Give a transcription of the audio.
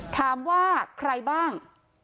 ถามว่าใครบ้าง